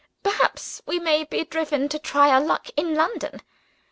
Perhaps we may be driven to try our luck in London.